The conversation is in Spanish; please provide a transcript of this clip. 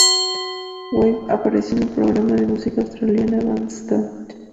Weaver apareció en el programa de música australiana "Bandstand".